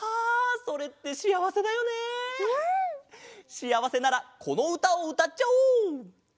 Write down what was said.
しあわせならこのうたをうたっちゃおう！